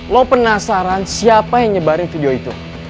lo penasaran siapa yang nyebarin video itu